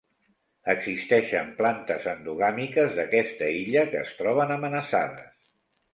Existeixen plantes endogàmiques d'aquesta illa que es troben amenaçades.